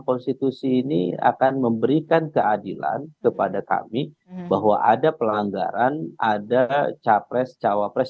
konstitusi ini akan memberikan keadilan kepada kami bahwa ada pelanggaran ada capres cawapres